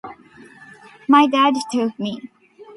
My dad took me.